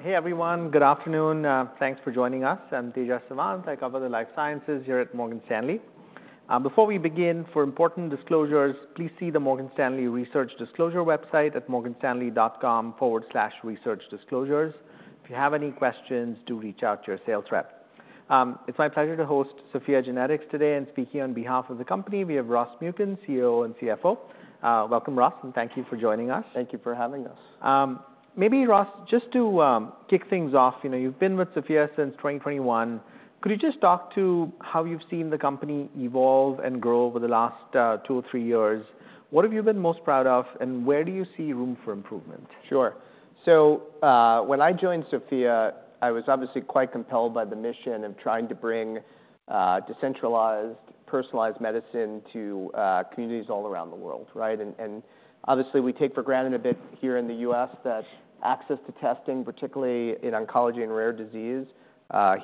Hey, everyone. Good afternoon. Thanks for joining us. I'm Tejas Savant. I cover the Life Sciences here at Morgan Stanley. Before we begin, for important disclosures, please see the Morgan Stanley Research Disclosure website at morganstanley.com/researchdisclosures. If you have any questions, do reach out to your sales rep. It's my pleasure to host SOPHiA GENETICS today, and speaking on behalf of the company, we have Ross Muken, COO and CFO. Welcome, Ross, and thank you for joining us. Thank you for having us. Maybe Ross, just to kick things off, you know, you've been with SOPHiA since 2021. Could you just talk to how you've seen the company evolve and grow over the last two or three years? What have you been most proud of, and where do you see room for improvement? Sure. So, when I joined SOPHiA, I was obviously quite compelled by the mission of trying to bring decentralized, personalized medicine to communities all around the world, right? And, and obviously, we take for granted a bit here in the U.S. that access to testing, particularly in oncology and rare disease,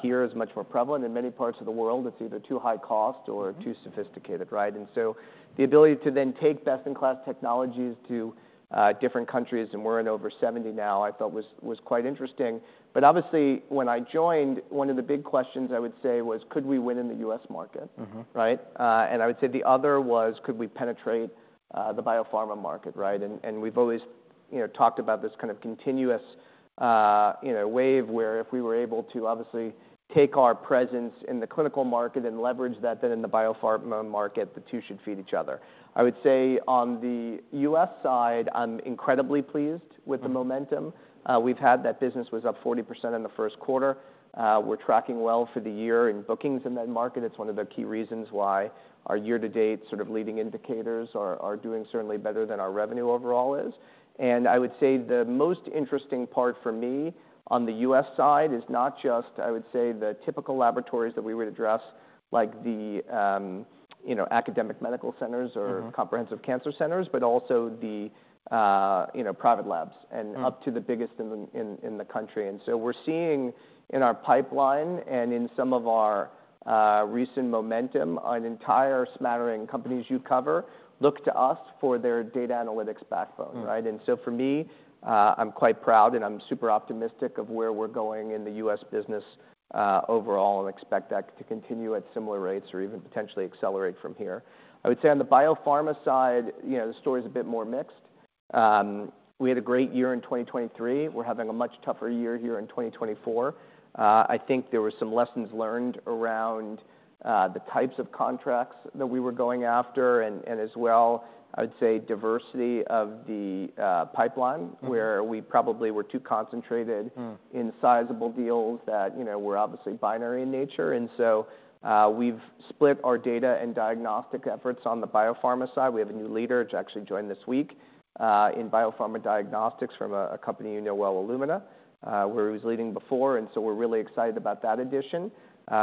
here is much more prevalent. In many parts of the world, it's either too high cost or. Mm-hmm. Too sophisticated, right? And so the ability to then take best-in-class technologies to, different countries, and we're in over 70 now, I felt was quite interesting. But obviously, when I joined, one of the big questions I would say was: Could we win in the U.S. market? Mm-hmm. Right? And I would say the other was: Could we penetrate the biopharma market, right? And, and we've always, you know, talked about this kind of continuous, you know, wave, where if we were able to obviously take our presence in the clinical market and leverage that then in the biopharma market, the two should feed each other. I would say on the U.S. side, I'm incredibly pleased with the momentum. Mm-hmm. That business was up 40% in the first quarter. We're tracking well for the year in bookings in that market. It's one of the key reasons why our year-to-date sort of leading indicators are doing certainly better than our revenue overall is. And I would say the most interesting part for me on the U.S. side is not just, I would say, the typical laboratories that we would address, like the, you know, academic medical centers. Mm-hmm. Or comprehensive cancer centers, but also the, you know, private labs. Mm-hmm. And up to the biggest in the country. And so we're seeing in our pipeline and in some of our recent momentum, an entire smattering of companies you cover look to us for their data analytics backbone. Mm-hmm. Right? And so for me, I'm quite proud and I'm super optimistic of where we're going in the U.S. business, overall, and expect that to continue at similar rates or even potentially accelerate from here. I would say on the biopharma side, you know, the story's a bit more mixed. We had a great year in 2023. We're having a much tougher year here in 2024. I think there were some lessons learned around the types of contracts that we were going after, and as well, I would say diversity of the pipeline. Mm-hmm. Where we probably were too concentrated. Mm. In sizable deals that, you know, were obviously binary in nature. And so, we've split our data and diagnostic efforts on the biopharma side. We have a new leader, who actually joined this week, in biopharma diagnostics from a company you know well, Illumina, where he was leading before, and so we're really excited about that addition.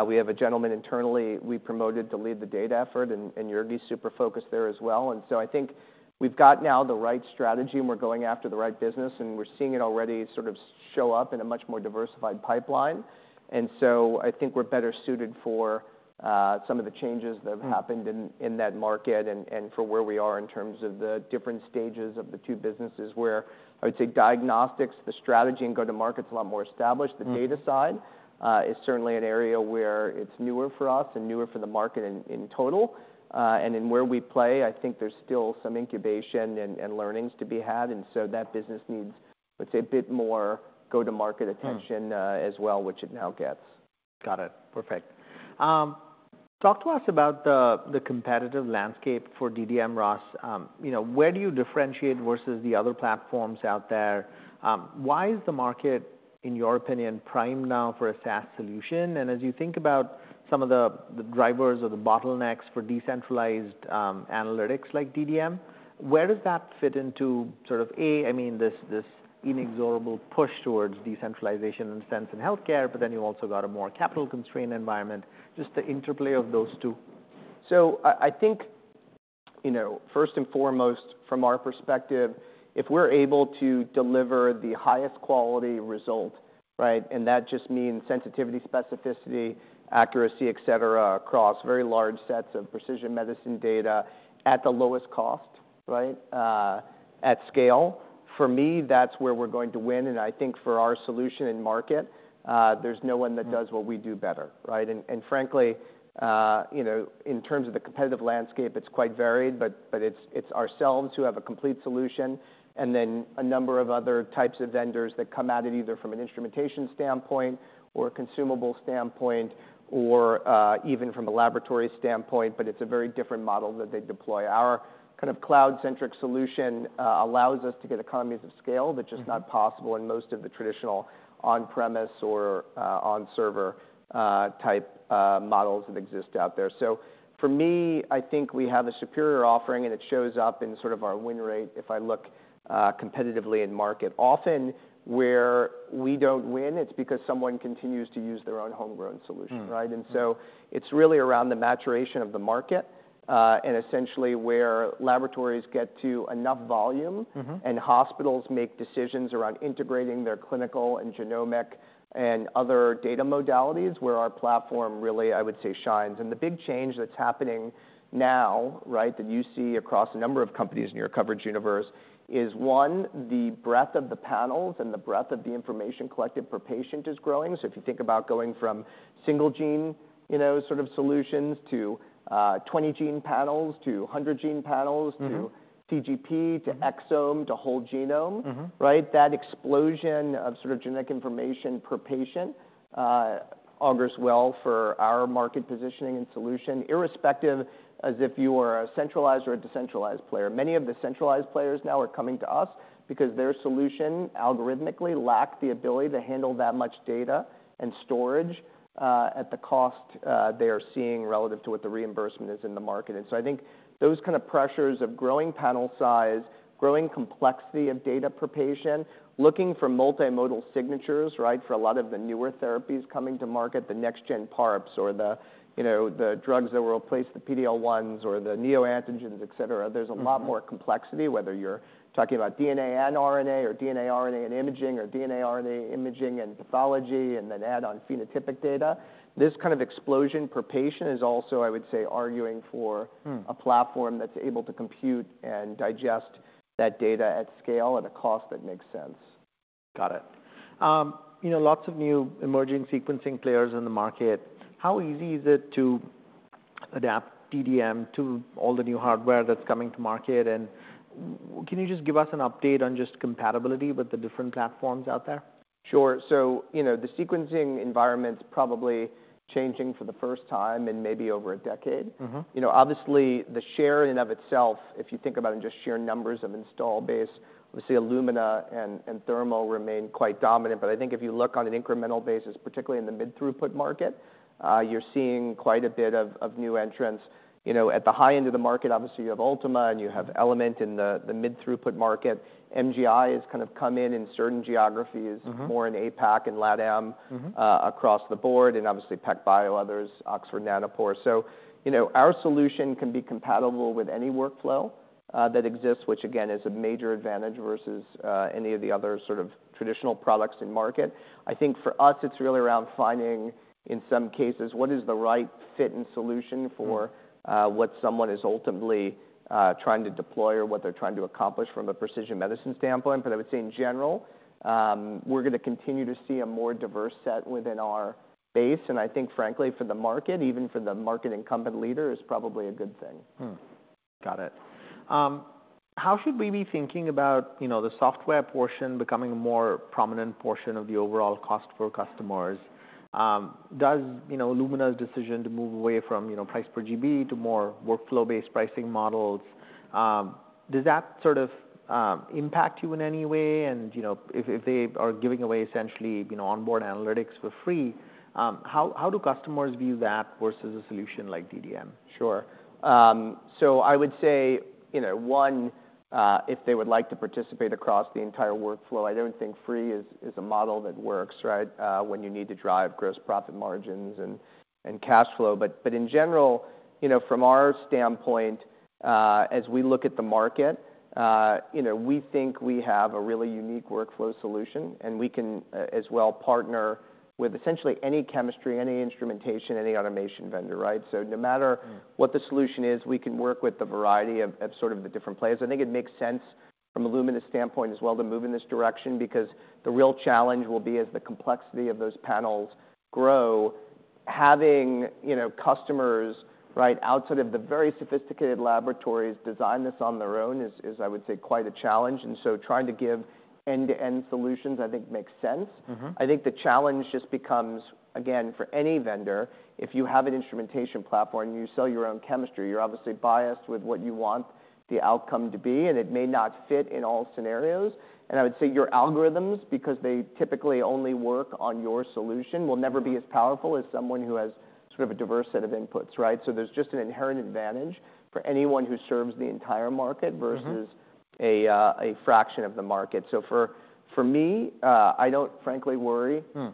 We have a gentleman internally we promoted to lead the data effort, and he's super focused there as well. And so I think we've got now the right strategy, and we're going after the right business, and we're seeing it already sort of show up in a much more diversified pipeline. And so I think we're better suited for, some of the changes that. Mm. Have happened in that market and for where we are in terms of the different stages of the two businesses, where I would say diagnostics, the strategy and go-to-market's a lot more established. Mm. The data side is certainly an area where it's newer for us and newer for the market in total. And in where we play, I think there's still some incubation and learnings to be had, and so that business needs, let's say, a bit more go-to-market attention. Mm. As well, which it now gets. Got it. Perfect. Talk to us about the competitive landscape for DDM, Ross. You know, where do you differentiate versus the other platforms out there? Why is the market, in your opinion, primed now for a SaaS solution? And as you think about some of the drivers or the bottlenecks for decentralized analytics like DDM, where does that fit into sort of AI, I mean, this inexorable push towards decentralization and AI in healthcare, but then you've also got a more capital-constrained environment, just the interplay of those two? So I think, you know, first and foremost, from our perspective, if we're able to deliver the highest quality result, right? And that just means sensitivity, specificity, accuracy, et cetera, across very large sets of precision medicine data at the lowest cost, right, at scale, for me, that's where we're going to win, and I think for our solution and market, there's no one that does. Mm. What we do better, right? And frankly, you know, in terms of the competitive landscape, it's quite varied, but it's ourselves who have a complete solution, and then a number of other types of vendors that come at it, either from an instrumentation standpoint or a consumable standpoint or even from a laboratory standpoint, but it's a very different model that they deploy. Our kind of cloud-centric solution allows us to get economies of scale. Mm-hmm. That's just not possible in most of the traditional on-premise or, on-server, type, models that exist out there. So for me, I think we have a superior offering, and it shows up in sort of our win rate if I look, competitively in market. Often, where we don't win, it's because someone continues to use their own homegrown solution, right? Mm-hmm. And so it's really around the maturation of the market, and essentially where laboratories get to enough volume. Mm-hmm. And hospitals make decisions around integrating their clinical and genomic and other data modalities where our platform really, I would say, shines, and the big change that's happening now, right, that you see across a number of companies in your coverage universe, is one, the breadth of the panels and the breadth of the information collected per patient is growing, so if you think about going from single gene, you know, sort of solutions to 20-gene panels to 100-gene panels. Mm-hmm. To CGP, to exome, to whole genome. Mm-hmm. Right? That explosion of sort of genetic information per patient, augurs well for our market positioning and solution, irrespective as if you are a centralized or a decentralized player. Many of the centralized players now are coming to us because their solution algorithmically lacked the ability to handle that much data and storage, at the cost, they are seeing relative to what the reimbursement is in the market. And so I think those kind of pressures of growing panel size, growing complexity of data per patient, looking for multimodal signatures, right, for a lot of the newer therapies coming to market, the next gen PARPs or the, you know, the drugs that will replace the PD-L1s or the neoantigens, et cetera. Mm-hmm. There's a lot more complexity, whether you're talking about DNA and RNA, or DNA, RNA and imaging, or DNA, RNA, imaging and pathology, and then add on phenotypic data. This kind of explosion per patient is also, I would say, arguing for. Hmm. A platform that's able to compute and digest that data at scale at a cost that makes sense. Got it. You know, lots of new emerging sequencing players in the market. How easy is it to adapt DDM to all the new hardware that's coming to market? And can you just give us an update on just compatibility with the different platforms out there? Sure. So, you know, the sequencing environment's probably changing for the first time in maybe over a decade. Mm-hmm. You know, obviously, the share in and of itself, if you think about it in just sheer numbers of install base, obviously, Illumina and Thermo remain quite dominant. But I think if you look on an incremental basis, particularly in the mid-throughput market, you're seeing quite a bit of new entrants. You know, at the high end of the market, obviously, you have Ultima, and you have Element in the mid-throughput market. MGI has kind of come in in certain geographies. Mm-hmm. More in APAC and LATAM. Mm-hmm. Across the board, and obviously, PacBio, others, Oxford Nanopore. So, you know, our solution can be compatible with any workflow that exists, which again, is a major advantage versus any of the other sort of traditional products in market. I think for us, it's really around finding, in some cases, what is the right fit and solution for. Hmm. What someone is ultimately trying to deploy or what they're trying to accomplish from a precision medicine standpoint. But I would say in general, we're gonna continue to see a more diverse set within our base. And I think, frankly, for the market, even for the market incumbent leader, is probably a good thing. Got it. How should we be thinking about, you know, the software portion becoming a more prominent portion of the overall cost for customers? Does, you know, Illumina's decision to move away from, you know, price per GB to more workflow-based pricing models, does that sort of impact you in any way? And, you know, if they are giving away essentially, you know, onboard analytics for free, how do customers view that versus a solution like DDM? Sure. So I would say, you know, one, if they would like to participate across the entire workflow, I don't think free is a model that works, right, when you need to drive gross profit margins and cash flow. But in general, you know, from our standpoint, as we look at the market, you know, we think we have a really unique workflow solution, and we can as well partner with essentially any chemistry, any instrumentation, any automation vendor, right? So no matter. Hmm. What the solution is, we can work with the variety of sort of the different players. I think it makes sense from Illumina's standpoint as well to move in this direction, because the real challenge will be, as the complexity of those panels grow, having, you know, customers, right, outside of the very sophisticated laboratories, design this on their own is, I would say, quite a challenge. And so trying to give end-to-end solutions, I think, makes sense. Mm-hmm. I think the challenge just becomes, again, for any vendor, if you have an instrumentation platform and you sell your own chemistry, you're obviously biased with what you want the outcome to be, and it may not fit in all scenarios. And I would say your algorithms, because they typically only work on your solution, will never be as powerful as someone who has sort of a diverse set of inputs, right? So there's just an inherent advantage for anyone who serves the entire market. Mm-hmm. Versus a fraction of the market. So for me, I don't frankly worry. Hmm.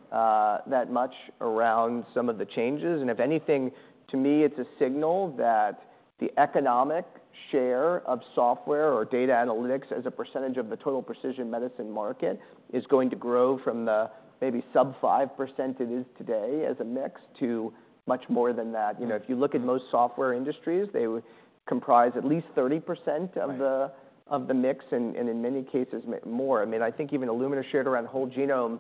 That much around some of the changes, and if anything, to me, it's a signal that the economic share of software or data analytics as a percentage of the total precision medicine market, is going to grow from the maybe sub 5% it is today as a mix, to much more than that. Hmm. You know, if you look at most software industries, they would comprise at least 30% of the. Right. Of the mix, and in many cases, more. I mean, I think even Illumina shared around whole genome,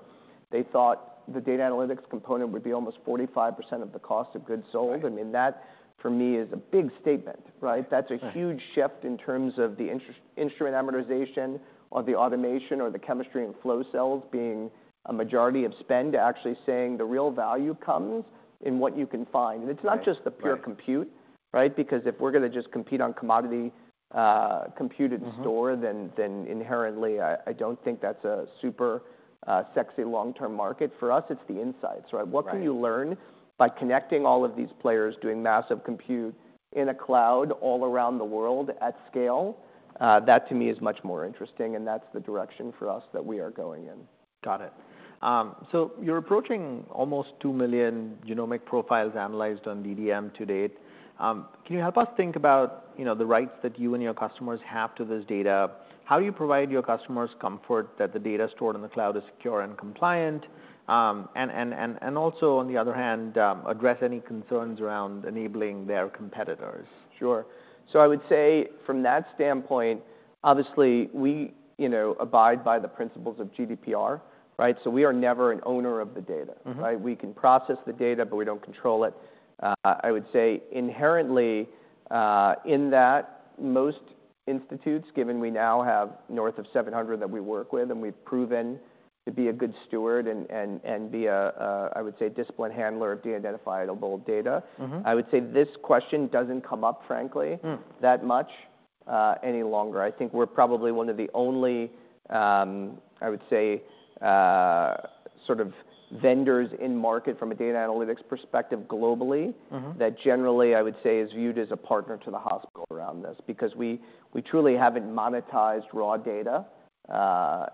they thought the data analytics component would be almost 45% of the cost of goods sold. Right. I mean, that, for me, is a big statement, right? Right. That's a huge shift in terms of the instrument amortization or the automation or the chemistry and flow cells being a majority of spend, to actually saying the real value comes in what you can find. Right. Right. And it's not just the pure compute, right? Because if we're gonna just compete on commodity, compute and store. Mm-hmm. Then inherently, I don't think that's a super sexy long-term market. For us, it's the insights, right? Right. What can you learn by connecting all of these players, doing massive compute? In a cloud all around the world at scale, that to me is much more interesting, and that's the direction for us that we are going in. Got it. So you're approaching almost two million genomic profiles analyzed on DDM to date. Can you help us think about, you know, the rights that you and your customers have to this data? How you provide your customers comfort that the data stored in the cloud is secure and compliant, and also, on the other hand, address any concerns around enabling their competitors? Sure. So I would say from that standpoint, obviously, we, you know, abide by the principles of GDPR, right? So we are never an owner of the data. Mm-hmm. Right? We can process the data, but we don't control it. I would say inherently, in that, most institutes, given we now have north of seven hundred that we work with, and we've proven to be a good steward and be a, I would say, disciplined handler of de-identified data. Mm-hmm. I would say this question doesn't come up frankly. Hmm. That much any longer. I think we're probably one of the only, I would say, sort of vendors in market from a data analytics perspective globally. Mm-hmm. That generally, I would say, is viewed as a partner to the hospital around this, because we truly haven't monetized raw data,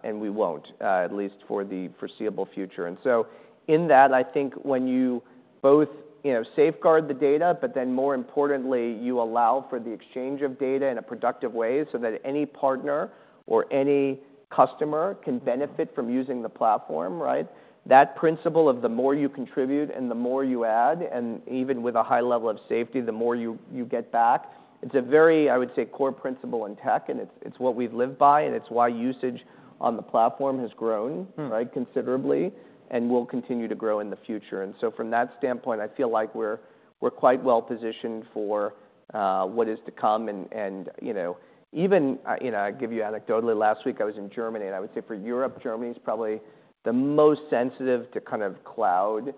and we won't, at least for the foreseeable future. And so in that, I think when you both, you know, safeguard the data, but then more importantly, you allow for the exchange of data in a productive way so that any partner or any customer can benefit from using the platform, right? That principle of the more you contribute and the more you add, and even with a high level of safety, the more you get back. It's a very, I would say, core principle in tech, and it's what we've lived by, and it's why usage on the platform has grown. Hmm. Right, considerably, and will continue to grow in the future. And so from that standpoint, I feel like we're quite well-positioned for what is to come and, you know. Even, you know, I give you anecdotally, last week I was in Germany, and I would say for Europe, Germany is probably the most sensitive to kind of cloud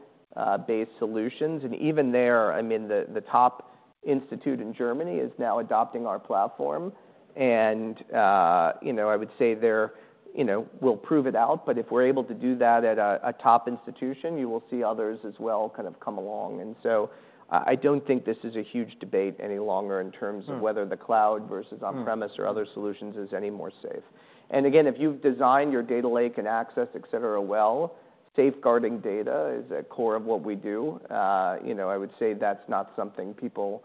based solutions. And even there, I mean, the top institute in Germany is now adopting our platform. And, you know, I would say they're. You know, we'll prove it out, but if we're able to do that at a top institution, you will see others as well kind of come along. And so I don't think this is a huge debate any longer in terms. Hmm. Of whether the cloud versus. Hmm. On-premise or other solutions is any more safe. And again, if you've designed your data lake and access, et cetera, well, safeguarding data is a core of what we do. You know, I would say that's not something people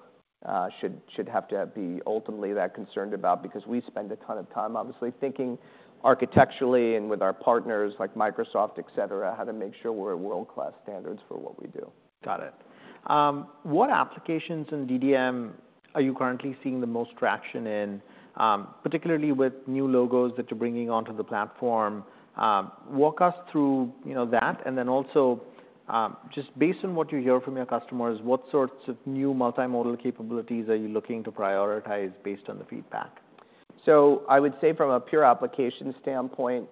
should have to be ultimately that concerned about, because we spend a ton of time, obviously, thinking architecturally and with our partners like Microsoft, et cetera, how to make sure we're at world-class standards for what we do. Got it. What applications in DDM are you currently seeing the most traction in, particularly with new logos that you're bringing onto the platform? Walk us through, you know, that, and then also, just based on what you hear from your customers, what sorts of new multimodal capabilities are you looking to prioritize based on the feedback? So I would say from a pure application standpoint,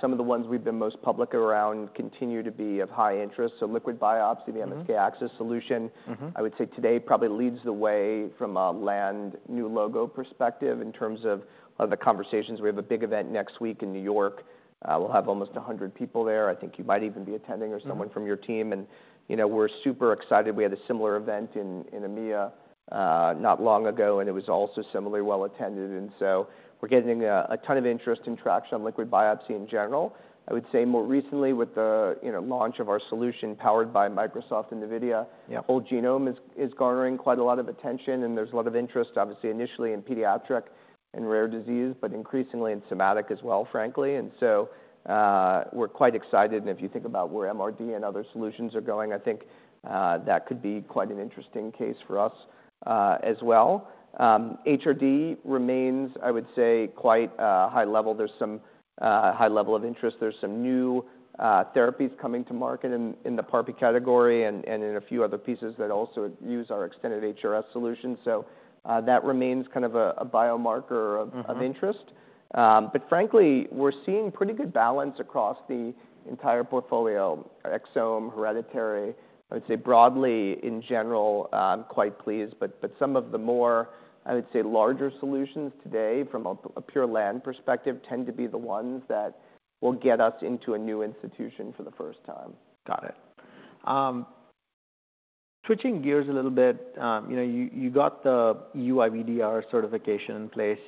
some of the ones we've been most public around continue to be of high interest. So liquid biopsy. Mm-hmm. The MSK-ACCESS solution. Mm-hmm. I would say today probably leads the way from a land new logo perspective in terms of the conversations. We have a big event next week in New York. We'll have almost a hundred people there. I think you might even be attending. Hmm. Or someone from your team, and you know, we're super excited. We had a similar event in EMEA not long ago, and it was also similarly well attended, and so we're getting a ton of interest and traction on liquid biopsy in general. I would say more recently, with the you know, launch of our solution, powered by Microsoft and NVIDIA. Yeah. Whole genome is garnering quite a lot of attention, and there's a lot of interest, obviously, initially in pediatric and rare disease, but increasingly in somatic as well, frankly. And so, we're quite excited. And if you think about where MRD and other solutions are going, I think that could be quite an interesting case for us, as well. HRD remains, I would say, quite high level. There's some high level of interest. There's some new therapies coming to market in the PARP category and in a few other pieces that also use our extended HRD solution. So, that remains kind of a biomarker of. Mm-hmm. Of interest, but frankly, we're seeing pretty good balance across the entire portfolio, exome, hereditary. I would say broadly, in general, I'm quite pleased, but some of the more, I would say, larger solutions today from a pure land perspective, tend to be the ones that will get us into a new institution for the first time. Got it. Switching gears a little bit, you know, you got the EU IVDR certification in place.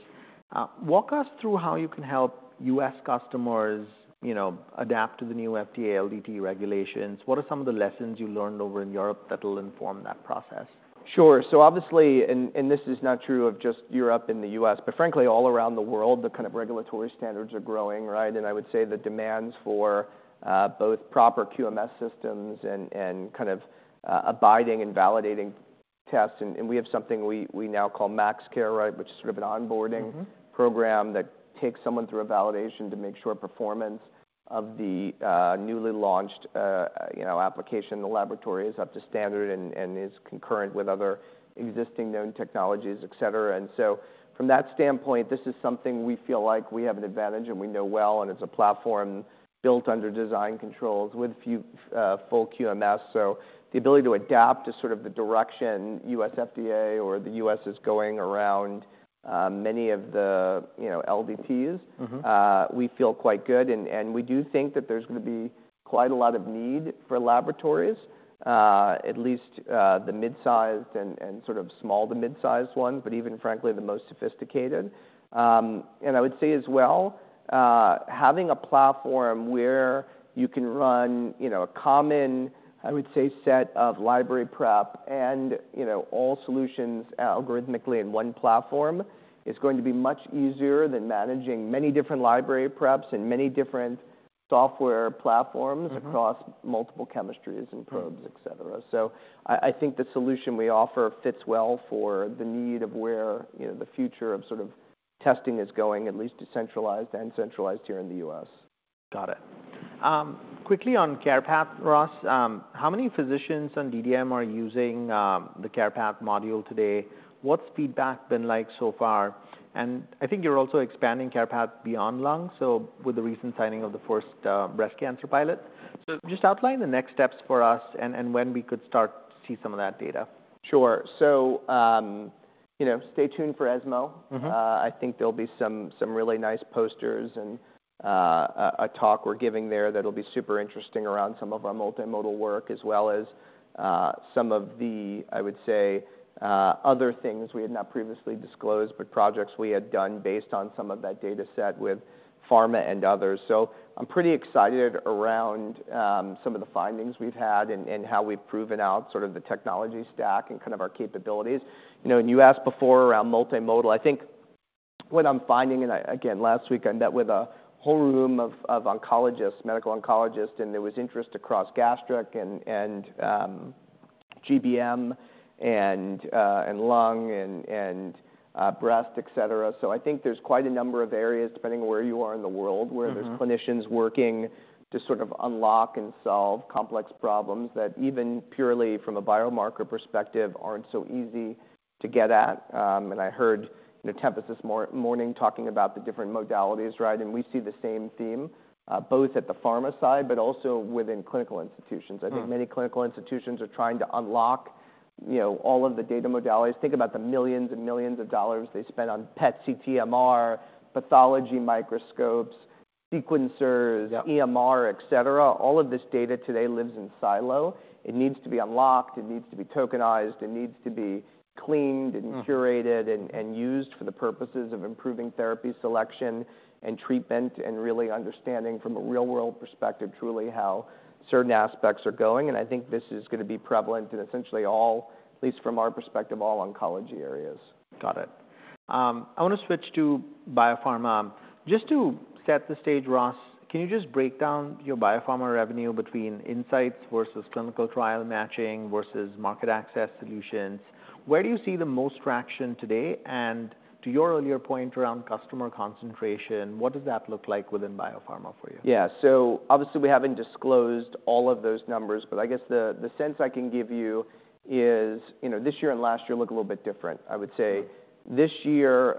Walk us through how you can help U.S. customers, you know, adapt to the new FDA LDT regulations. What are some of the lessons you learned over in Europe that will inform that process? Sure. So obviously, this is not true of just Europe and the U.S., but frankly, all around the world, the kind of regulatory standards are growing, right? And I would say the demands for both proper QMS systems and kind of abiding and validating tests, and we have something we now call MaxCare, right, which is sort of an onboarding. Mm-hmm. Program that takes someone through a validation to make sure performance of the newly launched, you know, application in the laboratory is up to standard and is concurrent with other existing known technologies, et cetera. And so from that standpoint, this is something we feel like we have an advantage, and we know well, and it's a platform built under design controls with full QMS. So the ability to adapt to sort of the direction U.S. FDA or the U.S. is going around many of the, you know, LDTs. Mm-hmm. We feel quite good, and we do think that there's going to be quite a lot of need for laboratories, at least the mid-sized and sort of small to mid-sized ones, but even frankly, the most sophisticated, and I would say as well, having a platform where you can run, you know, a common, I would say, set of library prep and, you know, all solutions algorithmically in one platform, is going to be much easier than managing many different library preps and many different software platforms. Mm-hmm. Across multiple chemistries and probes, et cetera. So I think the solution we offer fits well for the need of where, you know, the future of sort of testing is going, at least decentralized and centralized here in the U.S. Got it. Quickly on CarePath, Ross, how many physicians on DDM are using the CarePath module today? What's feedback been like so far? I think you're also expanding CarePath beyond lung, so with the recent signing of the first breast cancer pilot? Just outline the next steps for us and when we could start to see some of that data. Sure. So, you know, stay tuned for ESMO. Mm-hmm. I think there'll be some really nice posters and a talk we're giving there that'll be super interesting around some of our multimodal work, as well as some of the. I would say, other things we had not previously disclosed, but projects we had done based on some of that data set with pharma and others, so I'm pretty excited around some of the findings we've had and how we've proven out sort of the technology stack and kind of our capabilities. You know, and you asked before around multimodal. I think what I'm finding, and I, again, last week I met with a whole room of oncologists, medical oncologists, and there was interest across gastric, and GBM, and lung, and breast, et cetera. So, I think there's quite a number of areas, depending on where you are in the world. Mm-hmm. Where there's clinicians working to sort of unlock and solve complex problems that even purely from a biomarker perspective, aren't so easy to get at. And I heard, you know, Tempus this morning talking about the different modalities, right? And we see the same theme, both at the pharma side, but also within clinical institutions. Mm. I think many clinical institutions are trying to unlock, you know, all of the data modalities. Think about the millions and millions of dollars they spend on PET, CT, MR, pathology microscopes, sequencers. Yep. EMR, et cetera. All of this data today lives in silo. It needs to be unlocked, it needs to be tokenized, it needs to be cleaned. Mm. And curated, and used for the purposes of improving therapy selection and treatment, and really understanding from a real-world perspective, truly how certain aspects are going. I think this is gonna be prevalent in essentially all, at least from our perspective, all oncology areas. Got it. I want to switch to biopharma. Just to set the stage, Ross, can you just break down your biopharma revenue between insights versus clinical trial matching versus market access solutions? Where do you see the most traction today? And to your earlier point around customer concentration, what does that look like within biopharma for you? Yeah. So obviously, we haven't disclosed all of those numbers, but I guess the sense I can give you is, you know, this year and last year look a little bit different. I would say this year,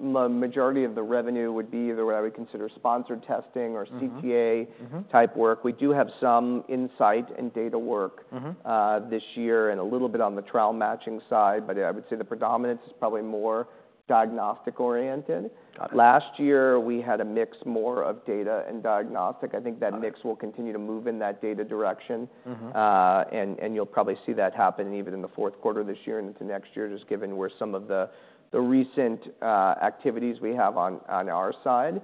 majority of the revenue would be either what I would consider sponsored testing or CTA. Mm-hmm, mm-hmm. Type work. We do have some insight and data work. Mm-hmm. This year, and a little bit on the trial matching side, but I would say the predominance is probably more diagnostic-oriented. Got it. Last year, we had a mix more of data and diagnostic. Got it. I think that mix will continue to move in that data direction. Mm-hmm. And you'll probably see that happen even in the fourth quarter of this year and into next year, just given where some of the recent activities we have on our side.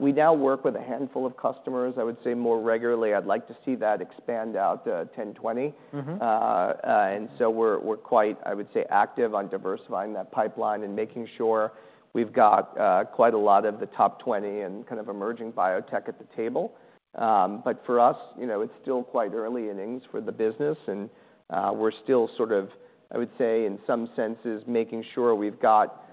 We now work with a handful of customers, I would say, more regularly. I'd like to see that expand out to 10, 20. Mm-hmm. And so we're quite, I would say, active on diversifying that pipeline and making sure we've got quite a lot of the top twenty in kind of emerging biotech at the table. But for us, you know, it's still quite early innings for the business and we're still sort of, I would say, in some senses, making sure we've got,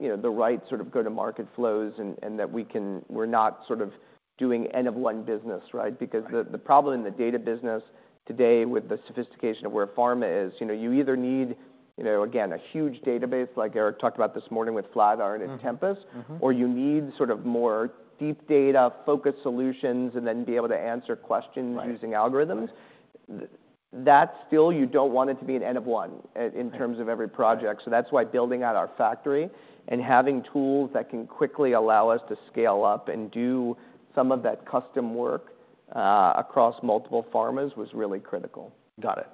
you know, the right sort of go-to-market flows, and that we can-- we're not sort of doing n of one business, right? Right. Because the problem in the data business today, with the sophistication of where pharma is, you know, you either need, you know, again, a huge database, like Eric talked about this morning with Flatiron and Tempus. Mm-hmm, mm-hmm. Or you need sort of more deep data-focused solutions, and then be able to answer questions. Right. Using algorithms. That still, you don't want it to be an n of one. Right. In terms of every project. Right. So that's why building out our factory and having tools that can quickly allow us to scale up and do some of that custom work across multiple pharmas was really critical. Got it.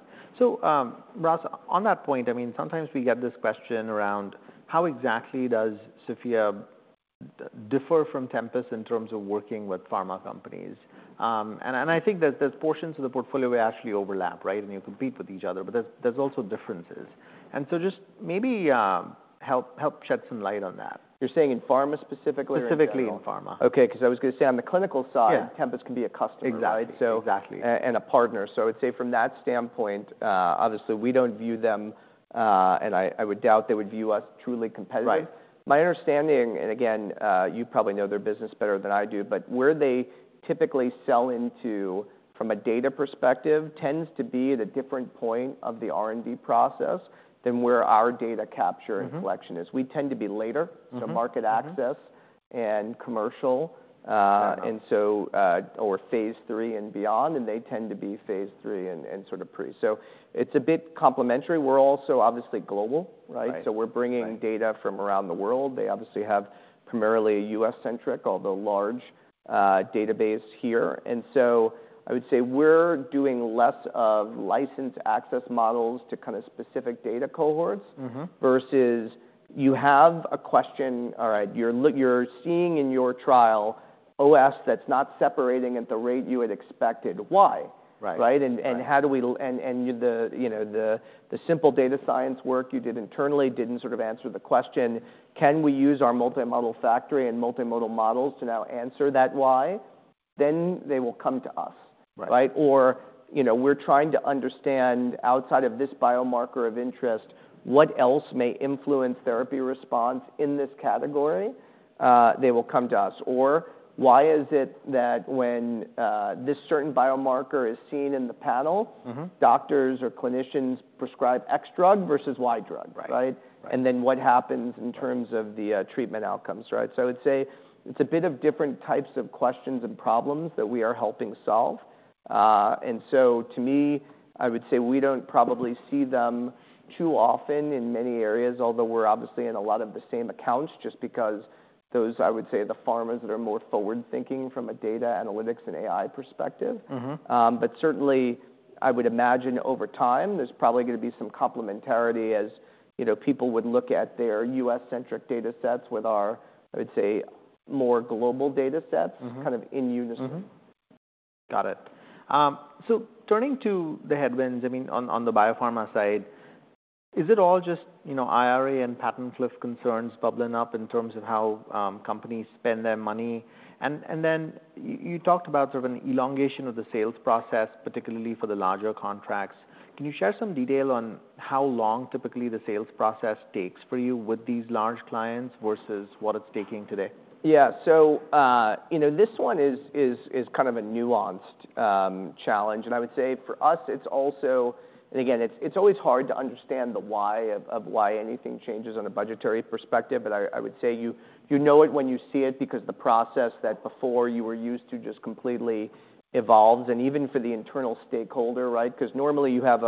Ross, on that point, I mean, sometimes we get this question around: how exactly does SOPHiA DDM differ from Tempus in terms of working with pharma companies? And I think there's portions of the portfolio where you actually overlap, right? And you compete with each other, but there's also differences. And so just maybe, help shed some light on that. You're saying in pharma specifically or in general? Specifically in pharma. Okay, 'cause I was gonna say, on the clinical side. Yeah. Tempus can be a customer. Exactly. So. Exactly. And a partner. So I would say from that standpoint, obviously, we don't view them, and I would doubt they would view us truly competitive. Right. My understanding, and again, you probably know their business better than I do, but where they typically sell into from a data perspective, tends to be at a different point of the R&D process than where our data capture. Mm-hmm. And collection is. We tend to be later. Mm-hmm. So market access. Mm-hmm. And commercial. Okay. And so, or phase III and beyond, and they tend to be phase III and sort of pre, so it's a bit complementary. We're also obviously global, right? Right. We're bringing. Right. Data from around the world. They obviously have primarily a U.S.-centric, although large, database here. And so I would say we're doing less of licensed access models to kind of specific data cohorts. Mm-hmm. Versus you have a question. All right, you're seeing in your TrialOS that's not separating at the rate you had expected. Why? Right. Right? Right. You know, the simple data science work you did internally didn't sort of answer the question: Can we use our multimodal factory and multimodal models to now answer that why? Then they will come to us. Right. Right? Or, you know, we're trying to understand, outside of this biomarker of interest, what else may influence therapy response in this category? They will come to us. Or why is it that when, this certain biomarker is seen in the panel. Mm-hmm. Doctors or clinicians prescribe X drug versus Y drug, right? Right. And then what happens. Right. In terms of the treatment outcomes, right? So I would say it's a bit of different types of questions and problems that we are helping solve. And so to me, I would say we don't probably see them too often in many areas, although we're obviously in a lot of the same accounts, just because those, I would say, are the pharmas that are more forward-thinking from a data analytics and AI perspective. Mm-hmm. But certainly, I would imagine over time, there's probably gonna be some complementarity as, you know, people would look at their U.S.-centric data sets with our, I would say, more global data sets. Mm-hmm. Kind of in unison. Mm-hmm. Got it. So turning to the headwinds, I mean, on, on the biopharma side, is it all just, you know, IRA and patent cliff concerns bubbling up in terms of how companies spend their money? And then you talked about sort of an elongation of the sales process, particularly for the larger contracts. Can you share some detail on how long typically the sales process takes for you with these large clients versus what it's taking today? Yeah. So, you know, this one is kind of a nuanced challenge, and I would say for us, it's also and again, it's always hard to understand the why of why anything changes on a budgetary perspective. But I would say you know it when you see it because the process that before you were used to just completely evolves, and even for the internal stakeholder, right? Because normally you have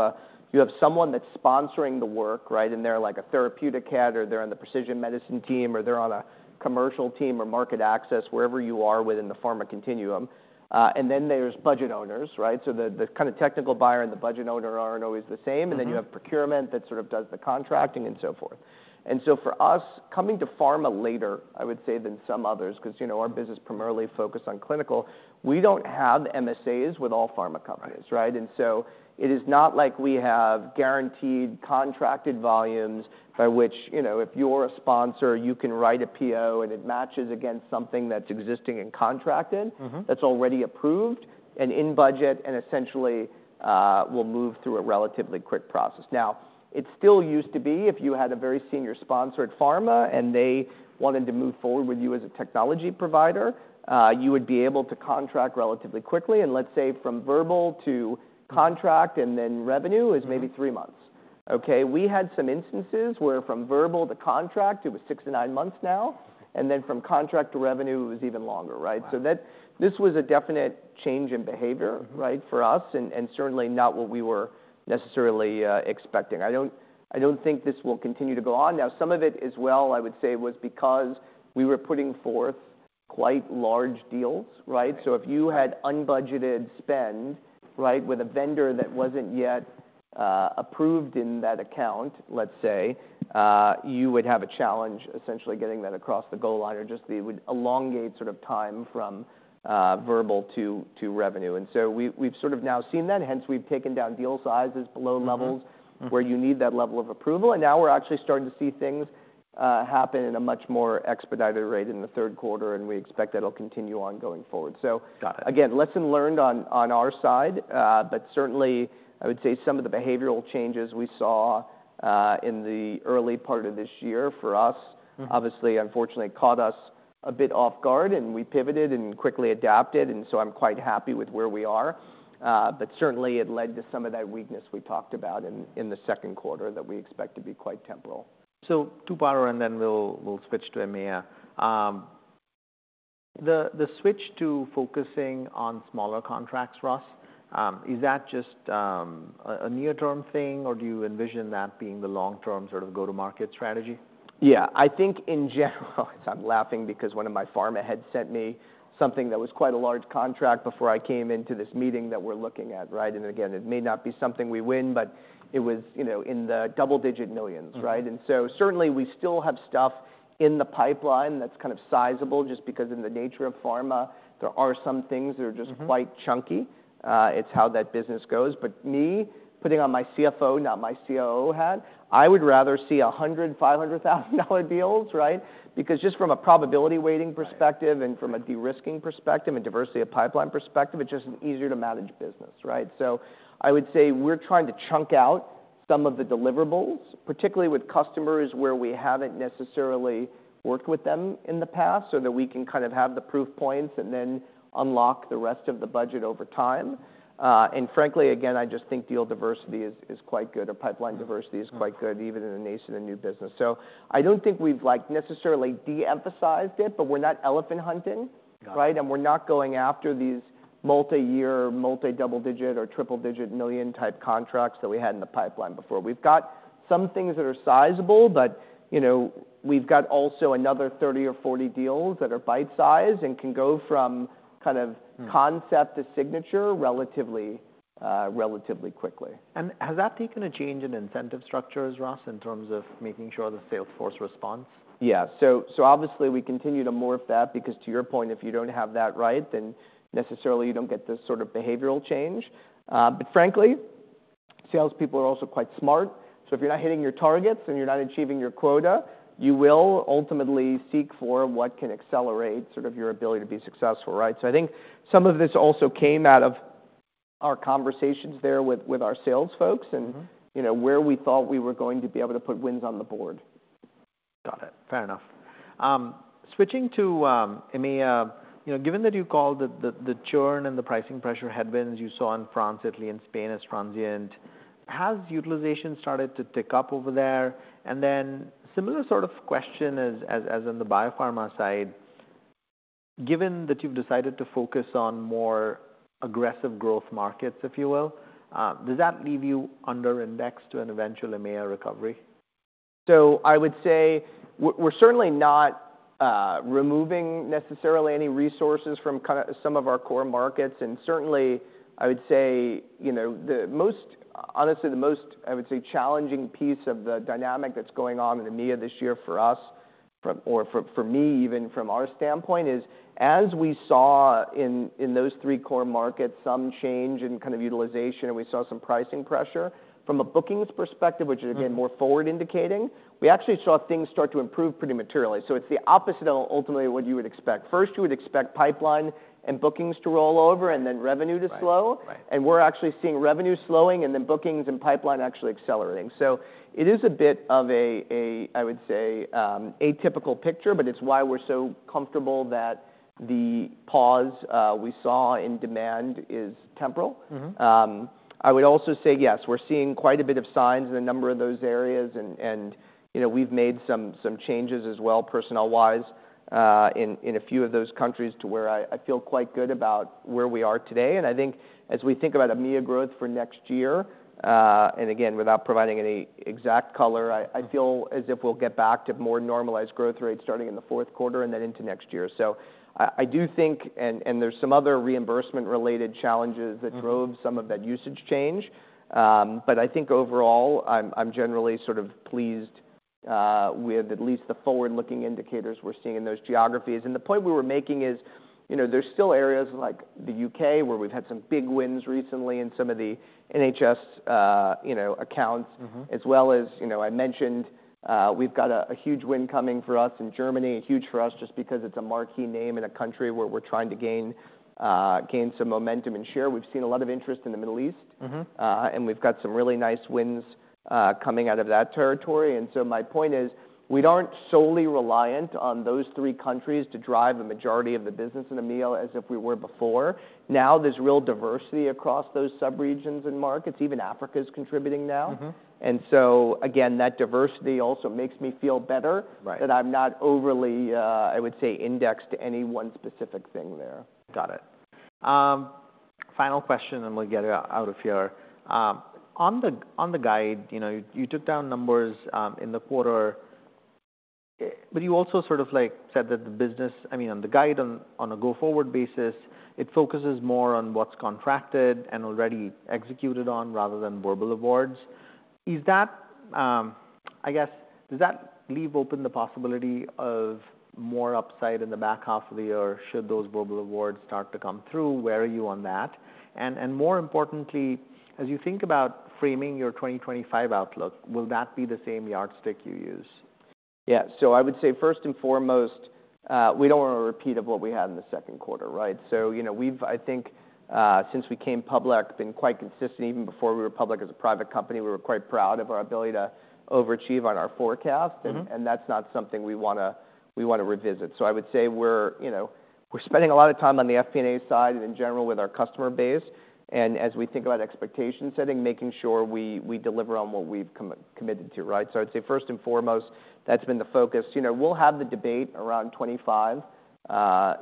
someone that's sponsoring the work, right? And they're like a therapeutic head, or they're on the precision medicine team, or they're on a commercial team or market access, wherever you are within the pharma continuum. And then there's budget owners, right? So the kind of technical buyer and the budget owner aren't always the same. Mm-hmm. And then you have procurement that sort of does the contracting and so forth. And so for us, coming to pharma later, I would say, than some others, because, you know, our business primarily focused on clinical, we don't have MSAs with all pharma companies. Right. Right? And so it is not like we have guaranteed contracted volumes by which, you know, if you're a sponsor, you can write a PO and it matches against something that's existing and contracted. Mm-hmm. That's already approved and in budget, and essentially, will move through a relatively quick process. Now, it still used to be, if you had a very senior sponsor at pharma and they wanted to move forward with you as a technology provider, you would be able to contract relatively quickly, and let's say, from verbal to contract, and then revenue is maybe three months. Okay, we had some instances where from verbal to contract, it was six to nine months now, and then from contract to revenue, it was even longer, right? Wow! So that this was a definite change in behavior, right, for us, and certainly not what we were necessarily expecting. I don't think this will continue to go on. Now, some of it as well, I would say, was because we were putting forth quite large deals, right? Right. So if you had unbudgeted spend, right, with a vendor that wasn't yet approved in that account, let's say, you would have a challenge essentially getting that across the goal line, or just it would elongate sort of time from verbal to revenue. And so we've sort of now seen that, hence we've taken down deal sizes below levels. Mm-hmm, mm-hmm. Where you need that level of approval. And now we're actually starting to see things happen in a much more expedited rate in the third quarter, and we expect that it'll continue on going forward. So. Got it. Again, lesson learned on our side. But certainly, I would say some of the behavioral changes we saw in the early part of this year for us. Mm. Obviously, unfortunately, caught us a bit off guard, and we pivoted and quickly adapted, and so I'm quite happy with where we are. But certainly, it led to some of that weakness we talked about in the second quarter that we expect to be quite temporary. So two-parter, and then we'll switch to EMEA. The switch to focusing on smaller contracts, Ross, is that just a near-term thing, or do you envision that being the long-term sort of go-to-market strategy? Yeah. I think in general, I'm laughing because one of my pharma heads sent me something that was quite a large contract before I came into this meeting that we're looking at, right? And again, it may not be something we win, but it was, you know, in the double-digit millions, right? Mm. And so, certainly we still have stuff in the pipeline that's kind of sizable, just because in the nature of pharma, there are some things that are just. Mm-hmm. Quite chunky. It's how that business goes. But me, putting on my CFO, not my COO hat, I would rather see $100,000, $500,000 deals, right? Because just from a probability weighting perspective. Right. And from a de-risking perspective and diversity of pipeline perspective, it's just an easier to manage business, right? So I would say we're trying to chunk out some of the deliverables, particularly with customers where we haven't necessarily worked with them in the past, so that we can kind of have the proof points and then unlock the rest of the budget over time. And frankly, again, I just think deal diversity is quite good, or pipeline diversity. Mm. Is quite good, even in the nascent and new business. So I don't think we've, like, necessarily de-emphasized it, but we're not elephant hunting. Got it. Right? And we're not going after these multiyear, multi double-digit or triple-digit million type contracts that we had in the pipeline before. We've got some things that are sizable, but, you know, we've got also another thirty or forty deals that are bite-sized and can go from kind of. Mm. Concept to signature relatively, relatively quickly. Has that taken a change in incentive structures, Ross, in terms of making sure the sales force responds? Yeah. So, so obviously we continue to morph that, because to your point, if you don't have that right, then necessarily you don't get the sort of behavioral change. But frankly, salespeople are also quite smart. So if you're not hitting your targets and you're not achieving your quota, you will ultimately seek for what can accelerate sort of your ability to be successful, right? So I think some of this also came out of our conversations there with, with our sales folks. Mm-hmm. And, you know, where we thought we were going to be able to put wins on the board. Got it. Fair enough. Switching to EMEA, you know, given that you called the churn and the pricing pressure headwinds you saw in France, Italy, and Spain as transient, has utilization started to tick up over there? And then similar sort of question as on the biopharma side, given that you've decided to focus on more aggressive growth markets, if you will, does that leave you under indexed to an eventual EMEA recovery? So I would say we're certainly not removing necessarily any resources from kind of some of our core markets. And certainly, I would say, you know, the most honestly the most challenging piece of the dynamic that's going on in EMEA this year for us, for me, even from our standpoint, is as we saw in those three core markets, some change in kind of utilization, and we saw some pricing pressure. From a bookings perspective. Mm-hmm. Which is again, more forward indicating, we actually saw things start to improve pretty materially. So it's the opposite of ultimately what you would expect. First, you would expect pipeline and bookings to roll over and then revenue to slow. Right. Right. We're actually seeing revenue slowing and then bookings and pipeline actually accelerating. It is a bit of an atypical picture, but it's why we're so comfortable that the pause we saw in demand is temporal. Mm-hmm. I would also say, yes, we're seeing quite a bit of signs in a number of those areas, and, you know, we've made some changes as well, personnel-wise, in a few of those countries, to where I feel quite good about where we are today. And I think as we think about EMEA growth for next year, and again, without providing any exact color, I feel as if we'll get back to more normalized growth rates starting in the fourth quarter and then into next year. So I do think and there's some other reimbursement-related challenges. Mm-hmm. That drove some of that usage change. But I think overall, I'm generally sort of pleased with at least the forward-looking indicators we're seeing in those geographies. And the point we were making is, you know, there's still areas like the U.K., where we've had some big wins recently in some of the NHS, you know, accounts. Mm-hmm. As well as, you know, I mentioned, we've got a huge win coming for us in Germany, huge for us, just because it's a marquee name in a country where we're trying to gain some momentum and share. We've seen a lot of interest in the Middle East. Mm-hmm. And we've got some really nice wins, coming out of that territory. And so my point is, we aren't solely reliant on those three countries to drive a majority of the business in EMEA, as if we were before. Now, there's real diversity across those subregions and markets. Even Africa is contributing now. Mm-hmm. And so again, that diversity also makes me feel better. Right. That I'm not overly, I would say, indexed to any one specific thing there. Got it. Final question, and we'll get it out of here. On the guide, you know, you took down numbers in the quarter, but you also sort of like said that the business. I mean, on the guide, on a go-forward basis, it focuses more on what's contracted and already executed on, rather than verbal awards. Is that, I guess, does that leave open the possibility of more upside in the back half of the year, should those verbal awards start to come through? Where are you on that? And more importantly, as you think about framing your 2025 outlook, will that be the same yardstick you use? Yeah. So I would say, first and foremost, we don't want a repeat of what we had in the second quarter, right? So, you know, we've, I think, since we came public, been quite consistent. Even before we were public as a private company, we were quite proud of our ability to overachieve on our forecast. Mm-hmm. That's not something we wanna revisit. So I would say we're, you know, spending a lot of time on the FP&A side and in general with our customer base, and as we think about expectation setting, making sure we deliver on what we've committed to, right? So I'd say, first and foremost, that's been the focus. You know, we'll have the debate around twenty-five,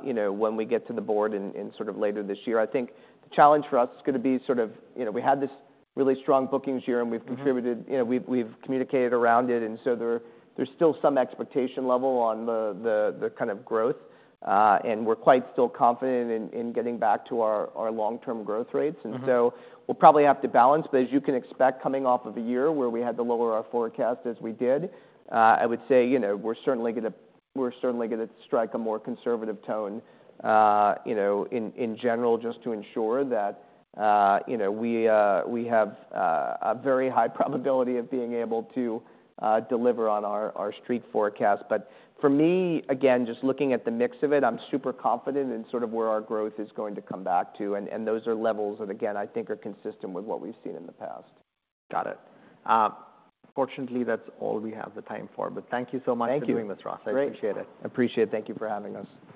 you know, when we get to the board in sort of later this year. I think the challenge for us is gonna be sort of. You know, we had this really strong bookings year, and we've. Mm-hmm. Contributed. You know, we've communicated around it, and so there's still some expectation level on the kind of growth. And we're quite still confident in getting back to our long-term growth rates. Mm-hmm. And so we'll probably have to balance. But as you can expect, coming off of a year where we had to lower our forecast as we did, I would say, you know, we're certainly gonna strike a more conservative tone, you know, in general, just to ensure that, you know, we have a very high probability of being able to deliver on our street forecast. But for me, again, just looking at the mix of it, I'm super confident in sort of where our growth is going to come back to, and those are levels that, again, I think are consistent with what we've seen in the past. Got it. Fortunately, that's all we have the time for, but thank you so much. Thank you. For doing this, Ross. Great. I appreciate it. Appreciate it. Thank you for having us.